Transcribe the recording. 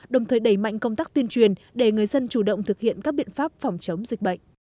đồng thời đẩy mạnh công tác tuyên truyền để người dân chủ động thực hiện các biện pháp phòng chống dịch bệnh